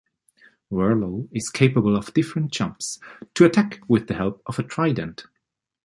Whirlo is capable of different jumps, to attack with the help of a trident.